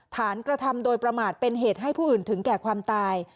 กระทำโดยประมาทเป็นเหตุให้ผู้อื่นถึงแก่ความตาย